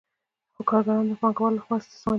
خو کارګران د پانګوال له خوا استثمارېږي